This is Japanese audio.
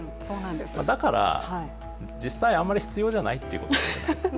だから、実際あまり必要じゃないということですよね。